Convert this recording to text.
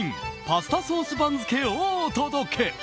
パスタソース番付をお届け。